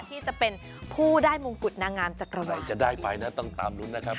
ที่จะเป็นผู้ได้มงกุฎนางงามจากเราได้ไปนะต้องตามลุ้นนะครับ